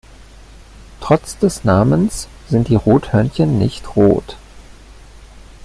Trotz des Namens sind die Rothörnchen nicht rot.